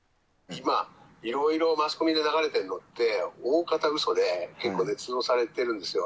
今、いろいろマスコミで流れてるのって、おおかたうそで、結構ねつ造されてるんですよ。